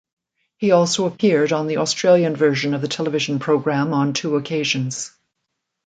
He also appeared on the Australian version of the television programme on two occasions.